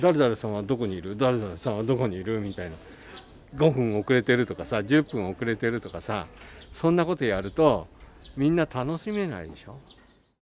５分遅れてるとかさ１０分遅れてるとかさそんなことやるとみんな楽しめないでしょ？